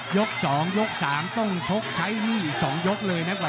ยกสองยกสามต้มชกใช้หนี้อีกสองยกเลยนะครับ